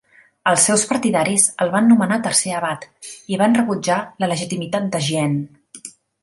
Els seus partidaris el van nomenar tercer abat, i van rebutjar la legitimitat de Gien.